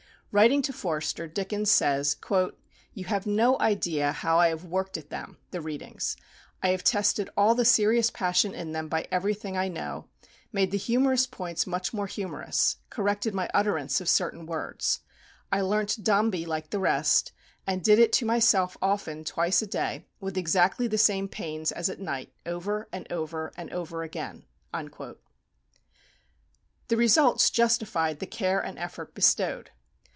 Writing to Forster Dickens says: "You have no idea how I have worked at them [the readings].... I have tested all the serious passion in them by everything I know, made the humorous points much more humorous; corrected my utterance of certain words; ... I learnt 'Dombey' like the rest, and did it to myself often twice a day, with exactly the same pains as at night, over, and over, and over again." The results justified the care and effort bestowed.